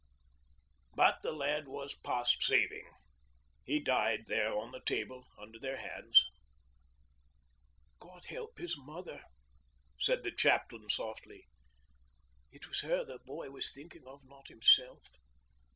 But the lad was past saving. He died there on the table under their hands. 'God help his mother!' said the chaplain softly. 'It was her the boy was thinking of not himself.